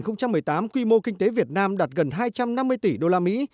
năm hai nghìn một mươi tám quy mô kinh tế việt nam đạt gần hai trăm năm mươi tỷ đô la mỹ